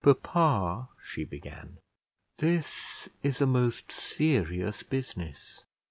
"Papa," she began, "this is a most serious business."